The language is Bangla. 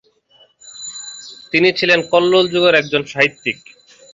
তিনি ছিলেন কল্লোল যুগের একজন সাহিত্যিক।